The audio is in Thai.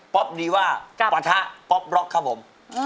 ดีว่าปะทะป๊อปบล็อกครับผม